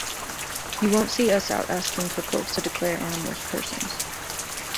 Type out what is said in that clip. You won't see us out asking for courts to declare animals persons.